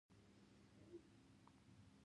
له همداسې شاتو سره ګډوي.